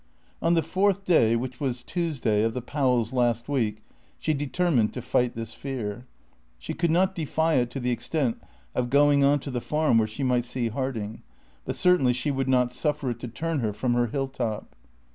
On the fourth day (which was Tuesday of the Powells' last week), she determined to fight this fear. She could not defy it to the extent of going on to the Farm where she might see Harding, but certainly she would not suffer it to turn her from her hill top.